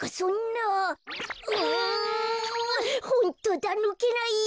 ホントだぬけないよ！